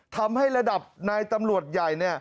ทำให้ระดับนายตำรวจใหญ่